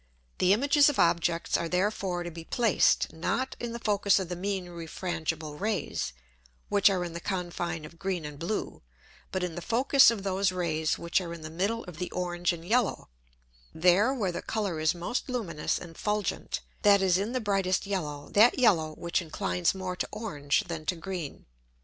The Images of Objects are therefore to be placed, not in the Focus of the mean refrangible Rays, which are in the Confine of green and blue, but in the Focus of those Rays which are in the middle of the orange and yellow; there where the Colour is most luminous and fulgent, that is in the brightest yellow, that yellow which inclines more to orange than to green.